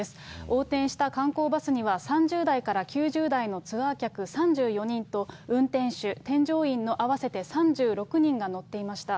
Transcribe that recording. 横転した観光バスには、３０代から９０代のツアー客３４人と、運転手、添乗員の合わせて３６人が乗っていました。